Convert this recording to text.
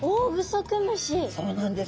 そうなんです。